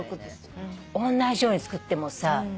おんなじように作ってもさ。